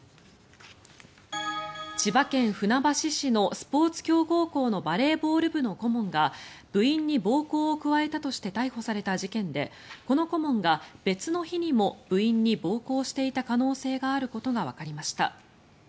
千葉県船橋市のスポーツ強豪校のバレーボール部の顧問が部員に暴行を加えたとして逮捕された事件で、この顧問が別の日にも部員に暴行していた可能性があることがわかりました。